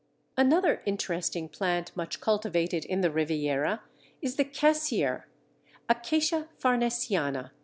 Another interesting plant much cultivated in the Riviera is the Cassier (Acacia farnesiana).